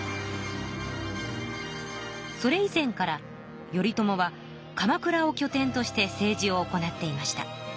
それ以前から頼朝は鎌倉をきょ点として政治を行っていました。